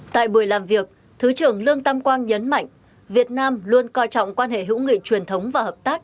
tại buổi làm việc thứ trưởng lương tam quang nhấn mạnh việt nam luôn coi trọng quan hệ hữu nghị truyền thống và hợp tác